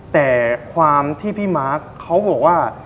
แต่ความที่พี่มาร์คเขาบอกว่า